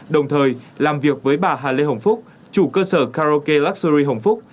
đồng thời làm việc với bà hà lê hồng phúc chủ cơ sở karaoke luxury hồng phúc